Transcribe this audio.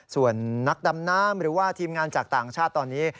ส่วนนักดำน้ำหรือว่าทีมงานจากต่างชาติตอนนี้